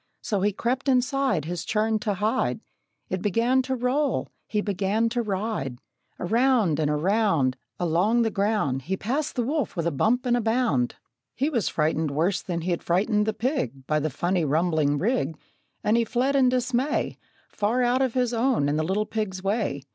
So he crept inside His churn to hide; It began to roll; he began to ride; Around and around, Along the ground, He passed the wolf with a bump and bound. He was frightened worse than he'd frightened the pig, By the funny, rumbling rig; And he fled in dismay Far out of his own and the little pig's way.